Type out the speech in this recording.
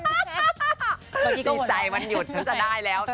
ดีใจมันหยุดฉันจะได้แล้ว